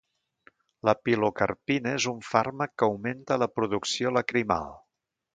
La pilocarpina és un fàrmac que augmenta la producció lacrimal.